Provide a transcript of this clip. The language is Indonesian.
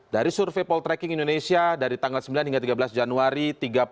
dari survei poltreking indonesia dari tanggal sembilan hingga tiga belas januari